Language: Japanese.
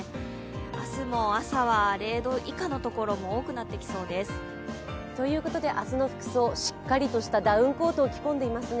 明日も朝は０度以下のところも多くなってきそうです。ということで、明日の服装、しっかりとしたダウンコートを着込んでいますね。